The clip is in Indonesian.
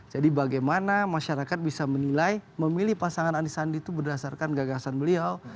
jadi bagaimana masyarakat bisa menilai memilih pasangan anisandi itu berdasarkan gagasan beliau